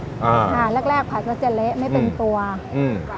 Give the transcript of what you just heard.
อ่าอ่าแรกแรกผัดแล้วจะเละอืมไม่เป็นตัวอืม